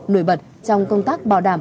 nổi bật trong công tác bảo đảm